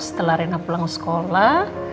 setelah rena pulang sekolah